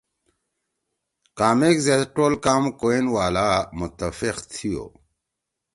کامک زید ٹول کام کوئن والا متفق تھیو۔